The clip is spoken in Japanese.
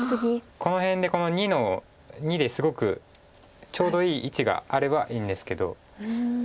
この辺で②ですごくちょうどいい位置があればいいんですけど。